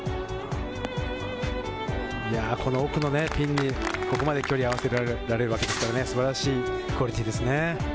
この奥のピンに、ここまで距離を合わせられるわけですからね、素晴らしいクオリティーですね。